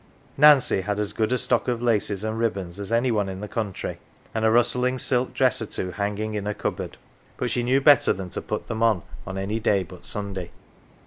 Nancy had as good a stock of laces and ribbons as any one in the country, and a rustling silk dress or two hanging in her cupboard ; but she knew better than to put them on on any day but Sunday.